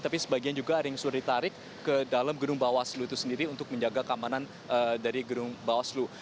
tapi sebagian juga ada yang sudah ditarik ke dalam gedung bawaslu itu sendiri untuk menjaga keamanan dari gedung bawaslu